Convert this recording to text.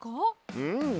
うん。